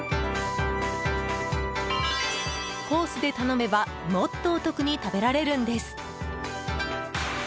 コースで頼めばもっとお得に食べられるんです。